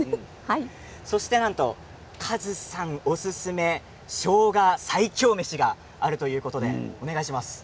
そしてなんとかずさんおすすめしょうが最強飯があるということなんでお願いします。